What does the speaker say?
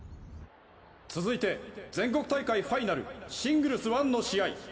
続いて全国大会ファイナルシングルスワンの試合。